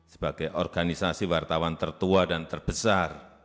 sebagai organisasi wartawan tertua dan terbesar